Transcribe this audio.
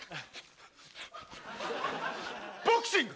「ボクシング」！